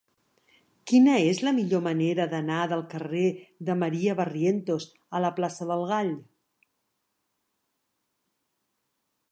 Quina és la millor manera d'anar del carrer de Maria Barrientos a la plaça del Gall?